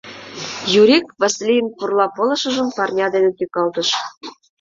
Юрик Васлийын пурла пылышыжым парня дене тӱкалтыш.